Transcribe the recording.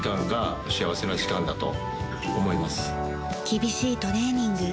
厳しいトレーニング。